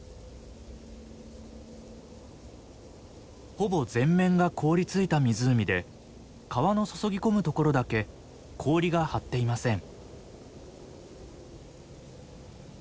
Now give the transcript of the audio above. ほぼ全面が凍りついた湖で川の注ぎ込むところだけ氷が張っていません。